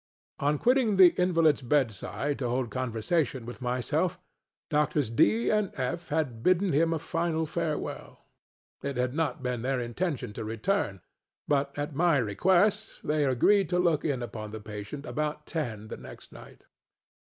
On quitting the invalidŌĆÖs bed side to hold conversation with myself, Doctors DŌĆöŌĆö and FŌĆöŌĆö had bidden him a final farewell. It had not been their intention to return; but, at my request, they agreed to look in upon the patient about ten the next night.